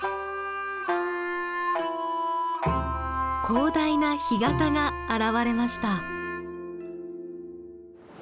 広大な干潟が現れました。